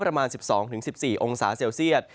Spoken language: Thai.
ประมาณ๑๒๑๔องศาเซลเซียต